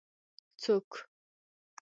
څوک